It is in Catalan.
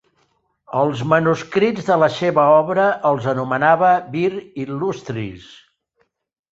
Els manuscrits de la seva obra els anomenava "vir inlustris".